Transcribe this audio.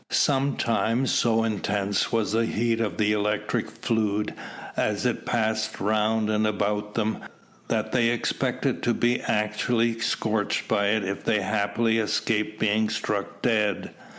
Sometimes so intense was the heat of the electric fluid as it passed round and about them, that they expected to be actually scorched by it if they happily escaped being struck dead.